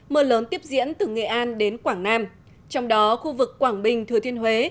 mưa lớn tiếp diễn từ nghệ an đến quảng nam trong đó khu vực quảng bình thừa thiên huế